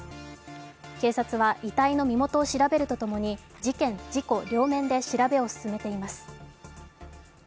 警察は遺体の身元を調べるとともに事件・事故両面で調べを進めています。